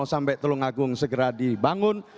sampai telung agung segera dibangun